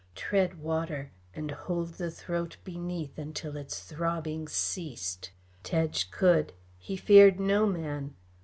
Tread water, and hold the throat beneath until its throbbing ceased. Tedge could; he feared no man.